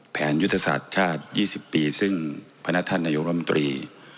แผนยุทธศาสตร์ชาติยี่สิบปีซึ่งพระนัทธันยกรมตรี